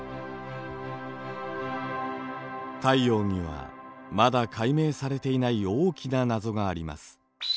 太陽にはまだ解明されていない大きな謎があります。